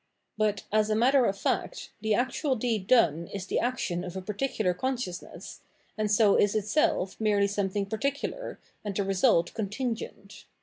But, as a matter of fact, the actual deed done is the action of a particular conscious ness, and so is itself merely something particular, and the result contingent.